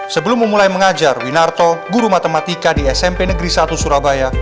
sebelum memulai mengajar winarto guru matematika di smp negeri satu surabaya